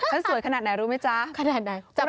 มันสวยขนาดไหนรู้ไหมจ๊ะ